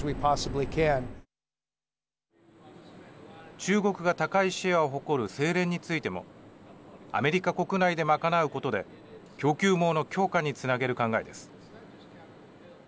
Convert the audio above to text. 中国が高いシェアを誇る精錬についてもアメリカ国内で賄うことで供給網の強化につなげる考えです。